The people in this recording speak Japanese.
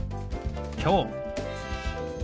「きょう」。